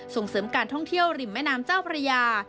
ส่งเสริมการท่องเที่ยวริมแม่น้ำเจ้าพระยา